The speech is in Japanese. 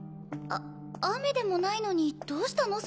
あ雨でもないのにどうしたの？